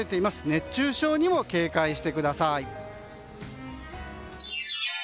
熱中症にも警戒してください。